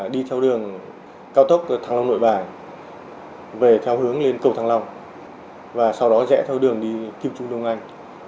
đi theo đường cao tốc thăng long nội bài về theo hướng lên cầu thăng long và sau đó rẽ theo đường đi kim trung đông anh